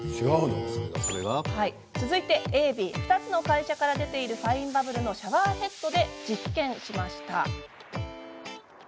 続いて、Ａ、Ｂ２つの会社から出ているファインバブルのシャワーヘッドで実験しました。